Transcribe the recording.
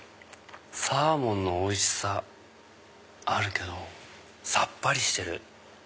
サーモンのおいしさあるけどサッパリしてる。